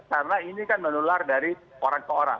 karena ini kan menular dari orang ke orang